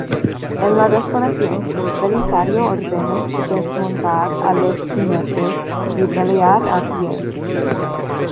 En la desesperación, Belisario ordenó desmontar a los jinetes y pelear a pie.